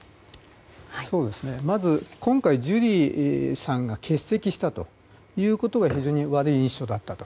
まず今回ジュリーさんが欠席したことが非常に悪い印象だったと。